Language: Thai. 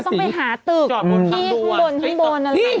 ที่บนข้างบนอะไรแบบนี้